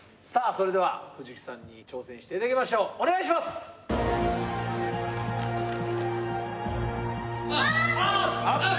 それでは藤木さんに挑戦していただきましょうお願いします！アップ！